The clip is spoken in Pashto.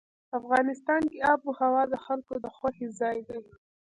افغانستان کې آب وهوا د خلکو د خوښې ځای دی.